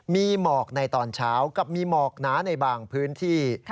มีหมอกในตอนเช้ากับมีหมอกหนาในบางพื้นที่